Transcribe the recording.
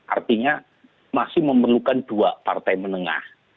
artinya masih memerlukan dua partai menengah